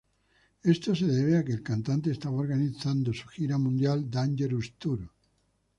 Esto se debe a que el cantante estaba organizando su gira mundial "Dangerous Tour".